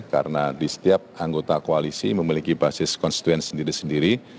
karena di setiap anggota koalisi memiliki basis konstituen sendiri sendiri